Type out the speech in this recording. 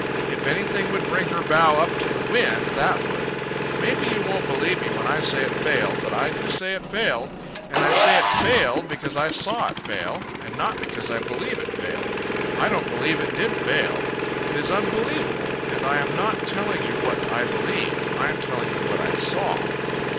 If anything would bring her bow up to the wind, that would. Maybe you won't believe me when I say it failed, but I do say it failed. And I say it failed because I saw it fail, and not because I believe it failed. I don't believe it did fail. It is unbelievable, and I am not telling you what I believe; I am telling you what I saw.